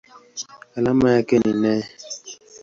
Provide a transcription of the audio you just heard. Alama yake ni Ne.